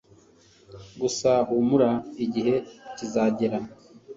gusa humura igihe kizagera